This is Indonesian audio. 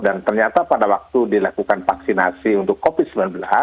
dan ternyata pada waktu dilakukan vaksinasi untuk covid sembilan belas